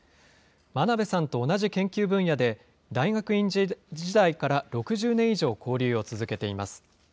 真鍋さんと同じ研究分野で、大学院時代から６０年以上交流を続けています。